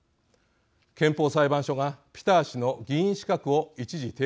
憲法裁判所がピター氏の議員資格を一時停止したのです。